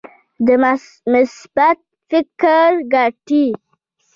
د مثبت فکر ګټې.